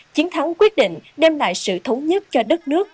chiến thắng quyết định đem lại sự thống nhất cho đất nước